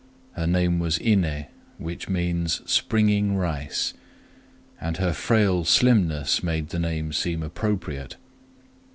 Her name was Iné, which means "springing rice;" and her frail slimness made the name seem appropriate.